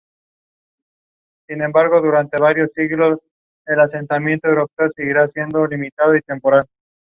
El ábside está cubierto con bóvedas ojivales de crucería.